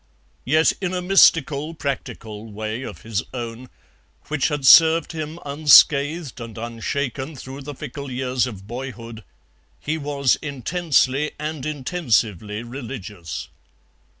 Yet in a mystical practical way of his own, which had served him unscathed and unshaken through the fickle years of boyhood, he was intensely and intensively religious.